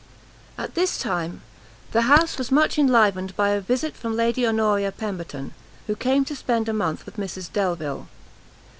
At this time, the house was much enlivened by a visit from Lady Honoria Pemberton, who came to spend a month with Mrs Delvile.